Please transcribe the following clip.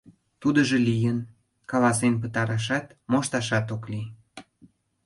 Тудыжо лийын, каласен пытарашат, мошташат ок лий.